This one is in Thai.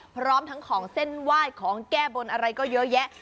พร้อมทั้งของเส้นไหว้ของแก้บนอะไรก็เยอะแยะ